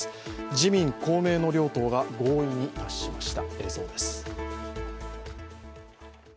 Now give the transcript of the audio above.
自民・公明の両党が合意に達しました。